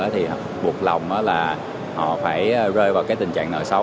thì buộc lòng là họ phải rơi vào cái tình trạng nợ xấu